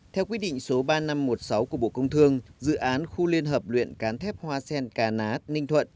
theo quyết định số ba nghìn năm trăm một mươi sáu của bộ công thương dự án khu liên hợp luyện cán thép hoa sen cà ná ninh thuận